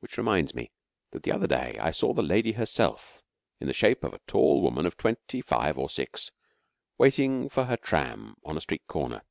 Which reminds me that the other day I saw the Lady herself in the shape of a tall woman of twenty five or six, waiting for her tram on a street corner.